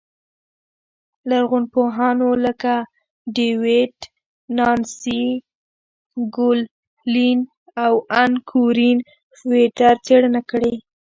لرغونپوهانو لکه ډېوېډ، نانسي ګونلین او ان کورېن فرېټر څېړنه کړې